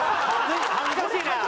恥ずかしいな。